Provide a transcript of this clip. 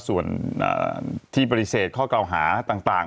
ส่วนที่ปฏิเสธข้อเก่าหาต่าง